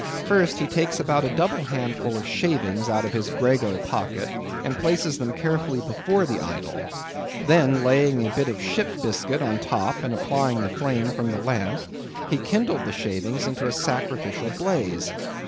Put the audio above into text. First he takes about a double handful of shavings out of his grego pocket, and places them carefully before the idol; then laying a bit of ship biscuit on top and applying the flame from the lamp, he kindled the shavings into a sacrificial blaze.